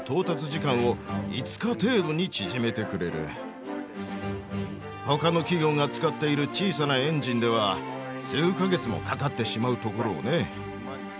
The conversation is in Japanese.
それがほかの企業が使っている小さなエンジンでは数か月もかかってしまうところをね。